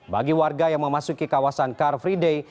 bagi warga yang memasuki kawasan car free day